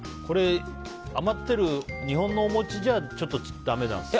余ってる日本のお餅じゃだめなんですか？